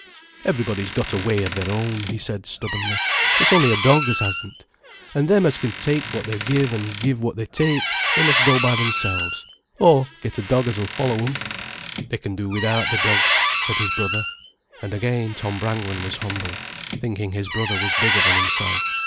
"Everybody's got a way of their own," he said, stubbornly. "It's only a dog as hasn't. An' them as can't take what they give an' give what they take, they must go by themselves, or get a dog as'll follow 'em." "They can do without the dog," said his brother. And again Tom Brangwen was humble, thinking his brother was bigger than himself.